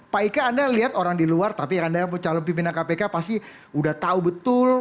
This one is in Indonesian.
pak ika anda lihat orang di luar tapi anda calon pimpinan kpk pasti udah tahu betul